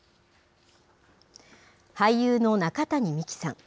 俳優の中谷美紀さん。